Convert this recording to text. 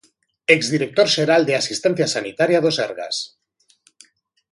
Exdirector xeral de Asistencia Sanitaria do Sergas.